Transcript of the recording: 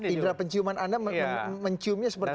indera penciuman anda menciumnya seperti apa